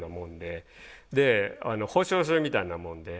保証するみたいなもんで。